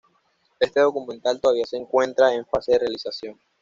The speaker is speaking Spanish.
Este documental todavía se encuentra en fase de realización.